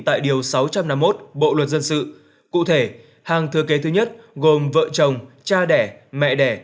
tại điều sáu trăm năm mươi một bộ luật dân sự cụ thể hàng thừa kế thứ nhất gồm vợ chồng cha đẻ mẹ đẻ